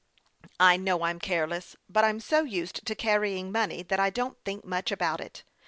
I know I'm careless ; but I'm so used to car rying money that I don't think much about it.